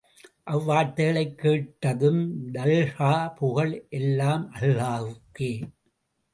அவ்வார்த்தைகளைக் கேட்டதும் தல்ஹா, புகழ் எல்லாம் அல்லாஹ்வுக்கே.